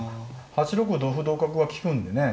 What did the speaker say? ８六歩同歩同角は利くんでね。